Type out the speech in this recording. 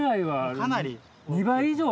かなり。